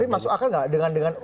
tapi masuk akal gak dengan dengan